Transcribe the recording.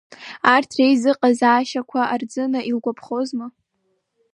Арҭ реизыҟазаашьақәа Арӡына илгәаԥхозма.